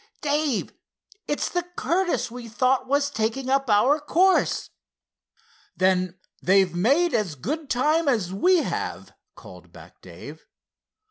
"Dave, it's the Curtiss we thought was taking up our course!" "Then they've made as good time as we have," called back Dave.